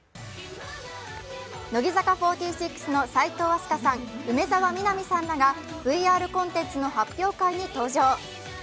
乃木坂４６の齋藤飛鳥さん、梅澤美波さんらがＶＲコンテンツの発表会に登場。